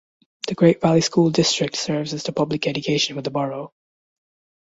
The Great Valley School District serves as the public education for the borough.